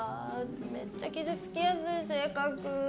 めっちゃ傷つきやすい性格ぅ。